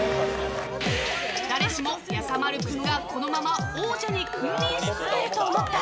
誰しも、やさまる君がこのまま王者に君臨し続けると思った。